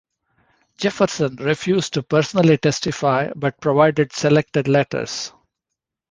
Jefferson refused to personally testify but provided selected letters.